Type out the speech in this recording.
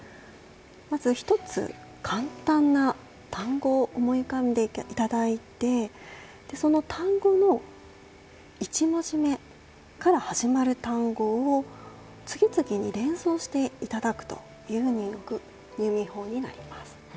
まず１つ簡単な単語を思い浮かべていただいてその単語の１文字目から始まる単語を次々に連想していただくという入眠法になります。